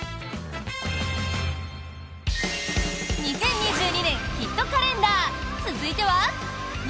２０２２年ヒットカレンダー続いては。